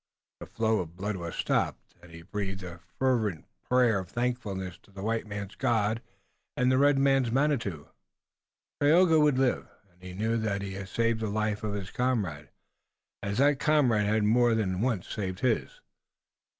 The flow of blood was stopped, and he breathed a fervent prayer of thankfulness to the white man's God and the red man's Manitou. Tayoga would live, and he knew that he had saved the life of his comrade, as that comrade had more than once saved his.